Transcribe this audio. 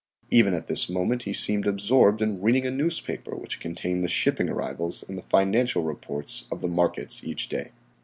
Even at this moment he seemed absorbed in reading a newspaper which contained the shipping arrivals and the financial reports of the markets each day.